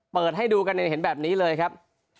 เปิดให้ดูกันเห็นแบบนี้เลยครับ